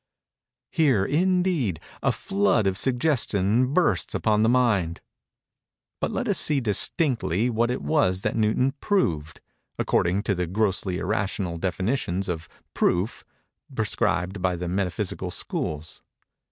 _—Here, indeed, a flood of suggestion bursts upon the mind. But let us see distinctly what it was that Newton proved—according to the grossly irrational definitions of proof prescribed by the metaphysical schools.